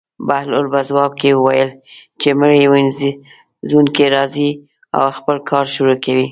بهلول په ځواب کې وویل: چې مړي وينځونکی راځي او خپل کار شروع کوي.